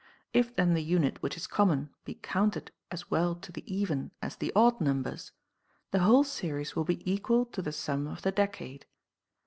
If then the unit, which is common, be counted as well to the even as the odd num bers, the whole series will be equal to the sum of the decade.